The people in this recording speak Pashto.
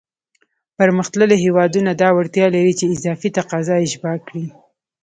پرمختللی هېوادونه دا وړتیا لري چې اضافي تقاضا اشباع کړي.